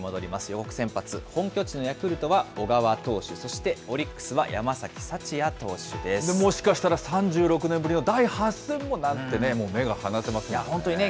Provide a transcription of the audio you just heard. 予告先発、本拠地のヤクルトは小川投手、そしてオリックスは山崎もしかしたら３６年ぶりの第８戦もなんてね、目が離せませんよね。